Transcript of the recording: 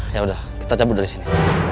yaudah kita cabut dari sini